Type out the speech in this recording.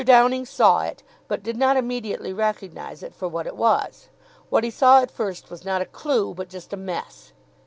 Downing saw it, but did not immediately recognise it for what it was. What he saw at first was not a Clue, but just a mess.